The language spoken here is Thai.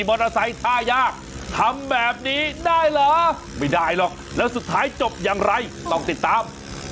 ไม่ไม่ได้หรอกแล้วสุดท้ายจบอย่างไรต้องติดตาม